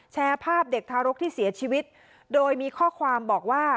แชร์ภาพเด็กทารกที่เสียชีวิตโดยมีข้อความบอกว่า